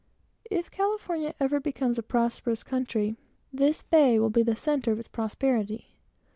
If California ever becomes a prosperous country, this bay will be the centre of its prosperity.